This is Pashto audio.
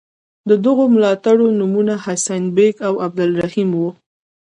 د دغو ملاتړو نومونه حسین بېګ او عبدالرحیم وو.